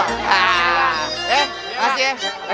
eh makasih ya